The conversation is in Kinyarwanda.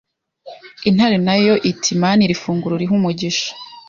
Intare nayo iti Mana iri funguro urihe umugisha